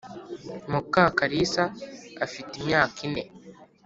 mukakalisa afite imyaka ine